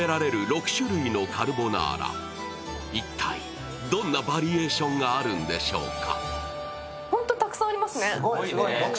一体、どんなバリエーションがあるのでしょうか。